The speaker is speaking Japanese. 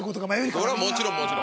それはもちろんもちろん。